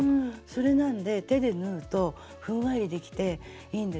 それなんで手で縫うとふんわりできていいんですね。